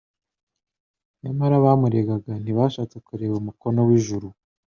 Nyamara abamuregaga ntibashatse kureba umukono w'ijuru.